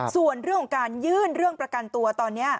ส่วนเรื่องของการยื่นเรื่องประกันตัวตอนนี้